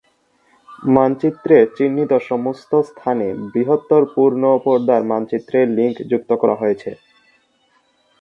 মানচিত্রে চিহ্নিত সমস্ত স্থানে বৃহত্তর পূর্ণ পর্দার মানচিত্রের লিঙ্ক যুক্ত করা আছে।